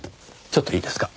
ちょっといいですか？